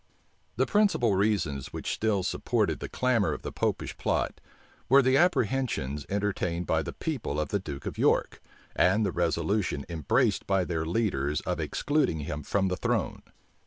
The principal reasons which still supported the clamor of the Popish plot, were the apprehensions entertained by the people of the duke of York, and the resolution embraced by their leaders of excluding him from the throne.